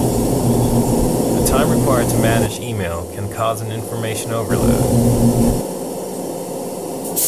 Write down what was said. The time required to manage email can cause an information overload.